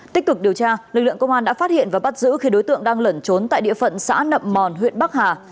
tích cực điều tra lực lượng công an đã phát hiện và bắt giữ khi đối tượng đang lẩn trốn tại địa phận xã nậm mòn huyện bắc hà